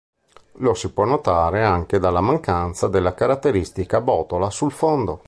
Lo si può notare anche dalla mancanza della caratteristica botola sul fondo.